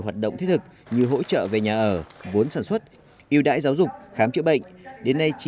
hoạt động thiết thực như hỗ trợ về nhà ở vốn sản xuất yêu đại giáo dục khám trị bệnh đến nay